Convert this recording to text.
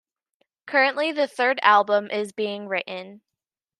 Currently the third album is being written.